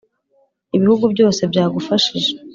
Ibihugu byose byagufashije